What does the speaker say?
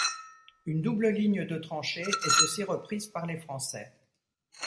Une double ligne de tranchées est aussi reprise par les Français.